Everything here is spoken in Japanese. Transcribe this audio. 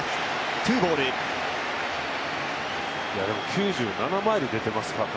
９７マイル出てますから。